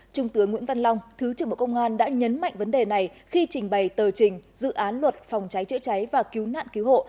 trung tướng nguyễn văn long thứ trưởng bộ công an đã nhấn mạnh vấn đề này khi trình bày tờ trình dự án luật phòng cháy chữa cháy và cứu nạn cứu hộ